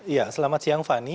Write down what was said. ya selamat siang fani